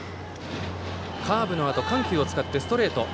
カーブのあと、緩急を使ってストレート。